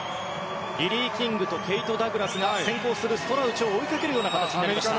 リリー・キングとケイト・ダグラスが先行するストラウチを追いかける形になりました。